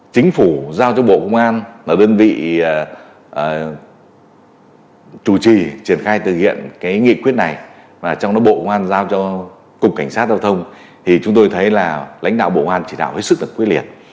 chính phủ giao cho bộ công an và đơn vị chủ trì triển khai thực hiện cái nghị quyết này và trong đó bộ ngoan giao cho cục cảnh sát giao thông thì chúng tôi thấy là lãnh đạo bộ ngoan chỉ đạo hết sức là quyết liệt